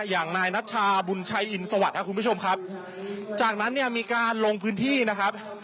อย่างนายนัชชาบุญชัยอินสวัสดิ์ครับคุณผู้ชมครับจากนั้นเนี่ยมีการลงพื้นที่นะครับ